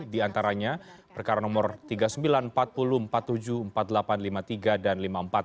di antaranya perkara nomor tiga puluh sembilan empat puluh empat puluh tujuh empat puluh delapan lima puluh tiga dan lima puluh empat